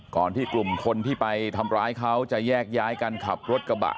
ก่อนที่กลุ่มคนที่ไปทำร้ายเขาจะแยกย้ายกันขับรถกระบะ